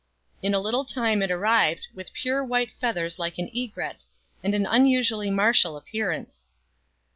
" In a little time it arrived, with pure white feathers like an egret, and an unusually martial appearance.